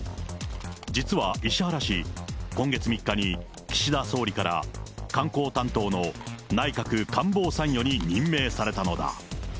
実は、石原氏、今月３日に岸田総理から、観光担当の内閣官房参与に任命されたのだ。